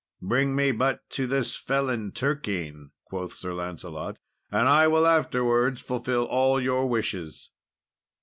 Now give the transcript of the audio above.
"Bring me but to this felon Turquine," quoth Sir Lancelot, "and I will afterwards fulfil all your wishes."